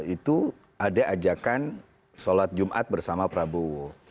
itu ada ajakan sholat jumat bersama prabowo